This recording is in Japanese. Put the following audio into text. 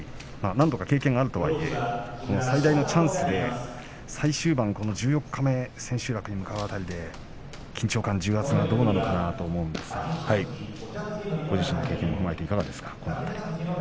何度か経験があるとはいえ最大のチャンスで最終盤に、この十四日目千秋楽に向かう辺りで緊張感、重圧がどうなのかなと思うんですがご自身の経験も踏まえていかがですか。